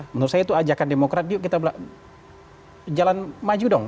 menurut saya itu ajakan demokrat yuk kita jalan maju dong